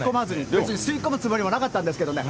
別に吸い込むつもりはなかったんですけどね。